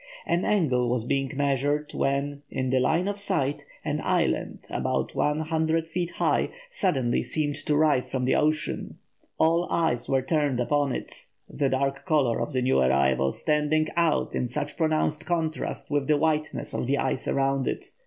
An angle was being measured, when, in the line of sight, an island, about one hundred feet high, suddenly seemed to rise from the ocean. All eyes were turned upon it, the dark colour of the new arrival standing out in such pronounced contrast with the whiteness of the ice around it.